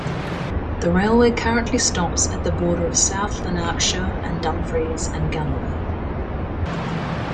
The railway currently stops at the border of South Lanarkshire and Dumfries and Galloway.